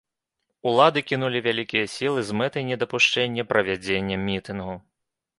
Улады, кінулі вялікія сілы з мэтай недапушчэння правядзення мітынгу.